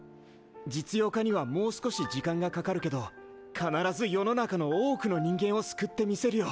実用化にはもう少し時間がかかるけど必ず世の中の多くの人間を救ってみせるよ。